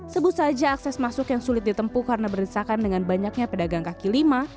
sebut saja akses masuk yang sulit ditempu karena berdesakan dengan banyaknya pedagang kaki lima